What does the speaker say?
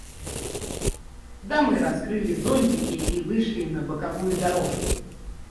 Дамы раскрыли зонтики и вышли на боковую дорожку.